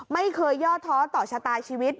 ไม่เคยย่อท้อต่อชะตาชีวิต